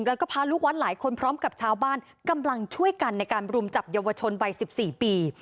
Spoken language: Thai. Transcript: แล้วก็พาลูกวัดหลายคนพร้อมกับชาวบ้านกำลังช่วยกันในการรุมจับเยาวชนวัย๑๔ปี